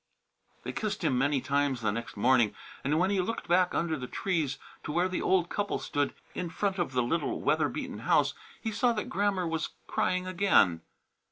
They kissed him many times the next morning, and when he looked back under the trees to where the old couple stood in front of the little weather beaten house he saw that Grammer was crying again.